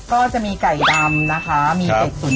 ก็จะมีไก่ดำโฏ๋หนี้สุน